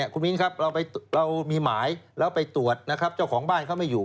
คุณมิ้นครับเรามีหมายแล้วไปตรวจนะครับเจ้าของบ้านเขาไม่อยู่